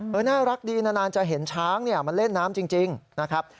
น่ารักดีนานจะเห็นช้างมาเล่นน้ำจริงนะครับ